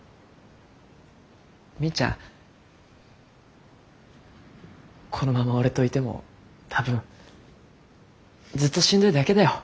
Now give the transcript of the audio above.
みーちゃんこのまま俺といても多分ずっとしんどいだけだよ。